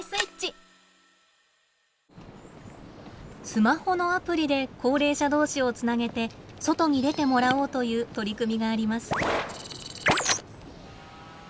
スマホのアプリで高齢者同士をつなげて外に出てもらおうという取り組みがあります。